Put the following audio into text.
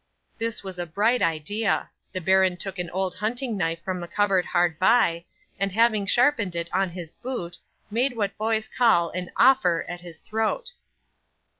'This was a bright idea. The baron took an old hunting knife from a cupboard hard by, and having sharpened it on his boot, made what boys call "an offer" at his throat.